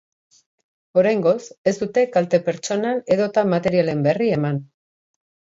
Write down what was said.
Oraingoz, ez dute kalte pertsonal edota materialen berri eman.